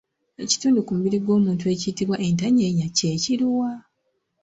Ekitundu ku mubiri gw’omuntu ekiyitibwa ‘entanyeenya’ kye kiruwa?